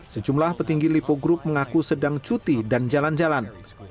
sejumlah petinggi lipo group mengaku sedang cuti dan jalan jalan